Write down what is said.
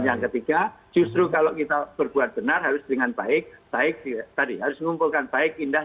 yang ketiga justru kalau kita berbuat benar harus dengan baik baik tadi harus mengumpulkan baik indah